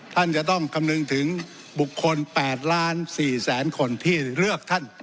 ท่านจะต้องคำนึงถึงบุคคล๘ล้าน๔แสนคนที่เลือกท่าน